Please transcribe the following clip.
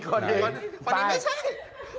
คนนี้เปล่าไม่ใช่